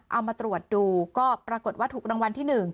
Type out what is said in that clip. เอามาตรวจดูก็ปรากฏว่าถูกรางวัลที่๑